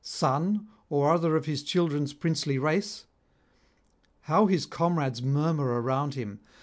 son, or other of his children's princely race? How his comrades murmur around him!